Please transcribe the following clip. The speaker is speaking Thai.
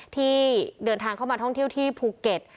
ที่เดินทางเข้ามาท่องเที่ยวที่ภูเก็ต